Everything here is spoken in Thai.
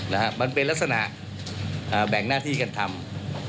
นะฮะมันเป็นลักษณะอ่าแบ่งหน้าที่กันทำ